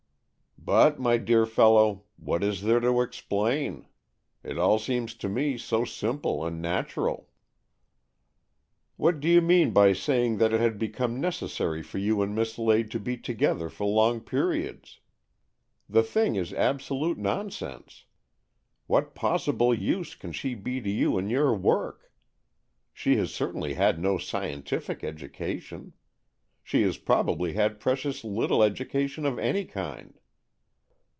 " But, my dear fellow, what is there to explain? It all seems to me so simple and natural." " What do you mean by saying that it had become necessary for you and Miss Lade to be together for long periods? The thing is absolute nonsense. What possible use can she be to you in your work? She has cer tainly had no scientific education. She has probably had precious little education of any kind."